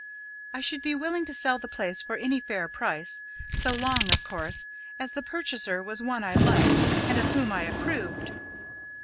I should be willing to sell the place for any fair price so long, of course, as the purchaser was one I liked and of whom I approved.